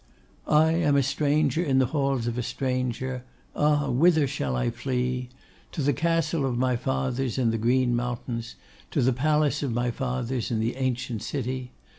'I am a stranger in the halls of a stranger! Ah! whither shall I flee? To the castle of my fathers in the green mountains; to the palace of my fathers in the ancient city?